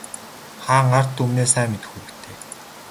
Хаан ард түмнээ сайн мэдэх үүрэгтэй.